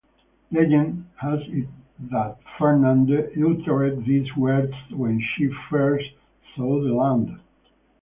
Legend has it that Fernande uttered these words when she first saw the land.